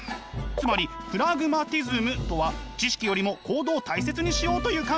つまりプラグマティズムとは知識よりも行動を大切にしようという考えなのです！